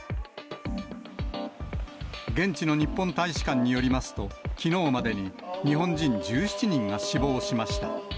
現地の日本大使館によりますと、きのうまでに日本人１７人が死亡しました。